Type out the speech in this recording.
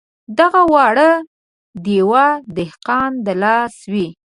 دغه واړه د یوه دهقان د لاس وې.